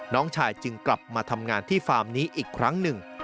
น้องชายจึงกลับมาทำงานที่ฟาร์มนี้อีกครั้งหนึ่ง